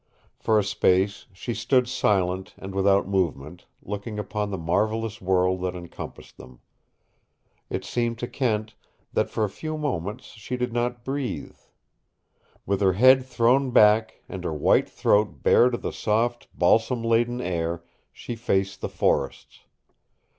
For a space she stood silent and without movement, looking upon the marvelous world that encompassed them. It seemed to Kent that for a few moments she did not breathe. With her head thrown back and her white throat bare to the soft, balsam laden air she faced the forests.